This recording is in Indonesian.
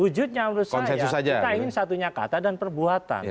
wujudnya menurut saya kita ingin satunya kata dan perbuatan